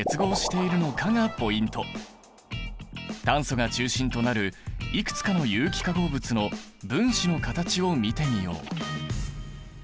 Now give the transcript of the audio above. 炭素が中心となるいくつかの有機化合物の分子の形を見てみよう。